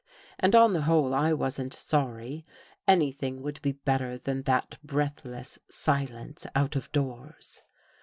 And, on the whole, I wasn't sorry. Anything would be better than that breathless silence out of doors.